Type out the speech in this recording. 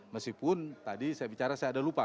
meskipun tadi saya bicara saya ada lupa